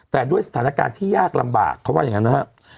แต่ด้วยสถานการณ์ที่ยากลำบากเขาว่าอย่างนั้นนะครับ